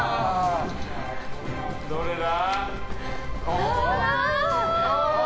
どれだ？